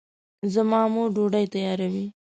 زما مور ډوډۍ تیاروي